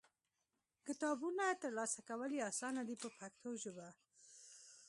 کتابونه ترلاسه کول یې اسانه دي په پښتو ژبه.